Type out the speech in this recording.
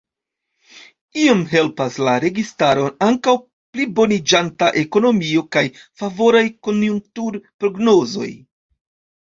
Iom helpas la registaron ankaŭ pliboniĝanta ekonomio kaj favoraj konjunktur-prognozoj.